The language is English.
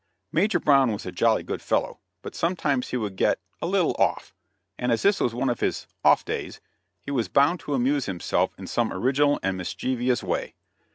Major Brown was a jolly good fellow, but sometimes he would get "a little off," and as this was one of his "off days" he was bound to amuse himself in some original and mischievous way.